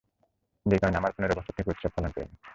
যে কারণে আমার পনেরো বছর থেকে উৎসব পালন করিনি।